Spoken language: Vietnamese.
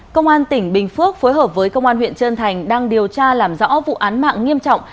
công an tỉnh bình phước phối hợp với công an huyện trân thành đang điều tra làm rõ vụ án mạng nghiêm trọng